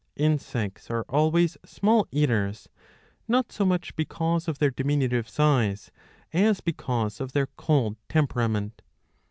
''^ Insects are always small eaters, not so much because of their diminutive size as because of their cold temperament.